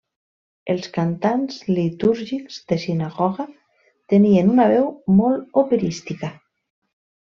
Els cantants litúrgics de sinagoga tenien una veu molt operística.